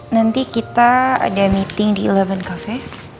nanti kita ada meeting di eleven cafe